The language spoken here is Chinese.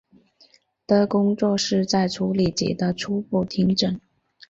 的工作是在处理及的初步听证。